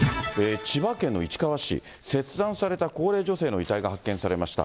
千葉県の市川市、切断された高齢女性の遺体が発見されました。